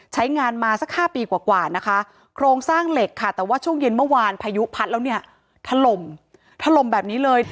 ใช้งานมาสัก๕ปีกว่านะคะโครงสร้างเหล็กค่ะแต่ว่าช่วงเย็นเมื่อวานพายุพัดแล้วเนี่ยถล่มถล่มแบบนี้เลย